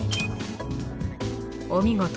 お見事！